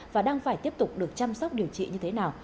và đang phải tiếp tục được chăm sóc điều trị như thế nào